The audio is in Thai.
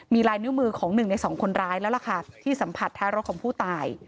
มีลายนิ้วมือของหนึ่งในสองคนร้ายแล้วล่ะค่ะที่สัมผัสท้ายรถของผู้ตาย